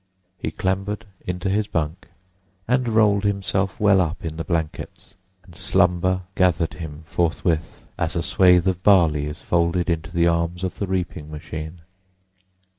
He clambered into his bunk and rolled himself well up in the blankets, and slumber gathered him forthwith, as a swathe of barley is folded into the arms of the reaping machine.